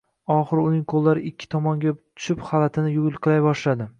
Oxiri uning qo‘llari ikki tomonga tushib xalatini yulqilay boshladi